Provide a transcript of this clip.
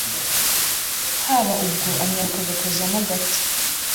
haba ubwo anyaruka agakozamo agati